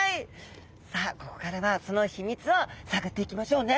さあここからはその秘密を探っていきましょうね。